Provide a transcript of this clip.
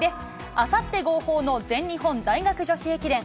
あさって号砲の全日本大学女子駅伝。